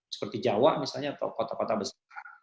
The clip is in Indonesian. seperti jawa misalnya atau kota kota besar